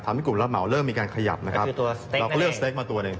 ทำให้กลุ่มรับเหมาเริ่มมีการขยับเราก็เรียกสเต๊กมาตัวนึง